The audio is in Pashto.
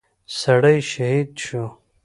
سړى شهيد شو.